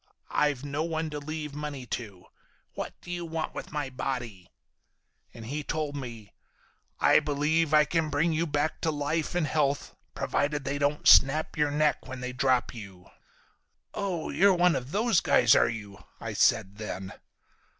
I've no one to leave money to. What do you want with my body?' And he told me, 'I believe I can bring you back to life and health, provided they don't snap your neck when they drop you.' 'Oh, you're one of those guys, are you?' I said then.